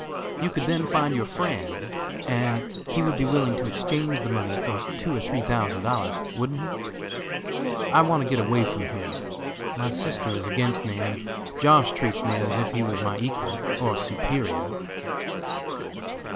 You could then find your friend, and he would be willing to exchange the money for two or three thousand dollars wouldn't he? I want to get away from here; my sister is against me, and Josh. treats me as if he was my equal, or superior."